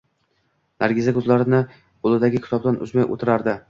Nargiza ko`zlarini qo`lidagi kitobdan uzmay o`tirardi